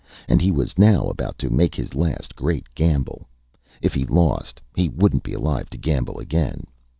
And he was now about to make his last great gamble. If he lost, he wouldn't be alive to gamble again.